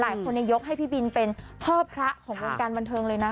ยกให้พี่บินเป็นพ่อพระของวงการบันเทิงเลยนะ